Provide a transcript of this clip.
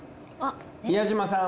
宮島さん。